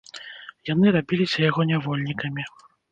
Яны рабіліся яго нявольнікамі.